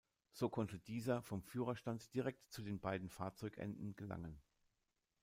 So konnte dieser vom Führerstand direkt zu den beiden Fahrzeugenden gelangen.